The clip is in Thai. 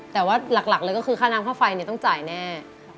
แต่ว่าหลักเลยก็คือค่าน้ำค่าไฟต้องจ่ายแน่